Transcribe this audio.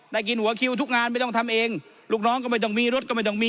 กินหัวคิวทุกงานไม่ต้องทำเองลูกน้องก็ไม่ต้องมีรถก็ไม่ต้องมี